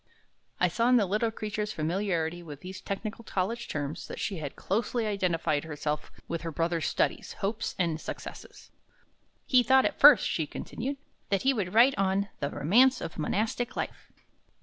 I saw in the little creature's familiarity with these technical college terms that she had closely identified herself with her brother's studies, hopes, and successes. "He thought at first," she continued, "that he would write on 'The Romance of Monastic Life.'"